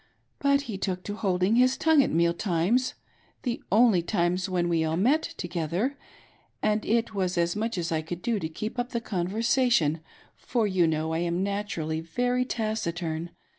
But he took to holding' his tongue at meal times — the only times when we all met together — and it was as much as I could do to keep up the conversation, for you know I am naturally very taciturn.